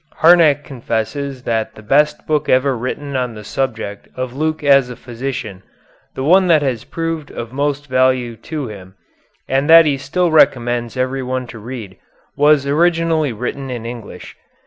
Harnack confesses that the best book ever written on the subject of Luke as a physician, the one that has proved of most value to him, and that he still recommends everyone to read, was originally written in English.